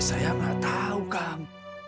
saya gak tau kang